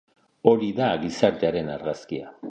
Hori da gizartearen argazkia.